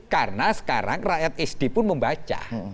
karena sekarang rakyat sd pun membaca